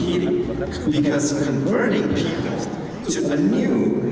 karena mengubah orang menjadi metode hidup yang baru